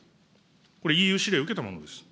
これ、ＥＵ指令を受けたものです。